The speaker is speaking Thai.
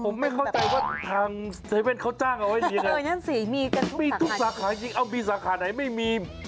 ผมไม่เข้าใจว่าทาง๗๑๑เขาจ้างเอาไว้อย่างนี้ไง